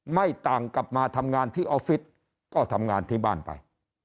ไม่ต่างกลับมาทำงานที่ออฟฟิศก็ทำงานที่บ้านไป